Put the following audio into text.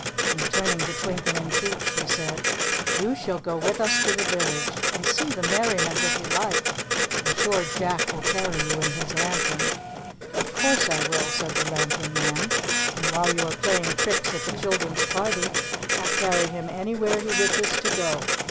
And turning to Twinkling Feet she said, "You shall go with us to the village, and see the merriment if you like. I'm sure Jack will carry you in his lantern." "Of course I will," said the lantern man. "And while you are playing tricks at the children's party, I'll carry him anywhere he wishes to go.